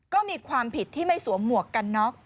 ก็มีความผิดที่ไม่สวมหมวกกันน็อก